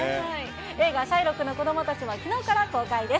映画、シャイロックの子供たちはきのうから公開です。